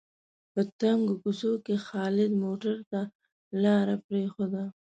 په تنګو کوڅو کې خالد موټرو ته لاره پرېښوده.